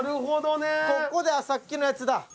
ここでさっきのやつだ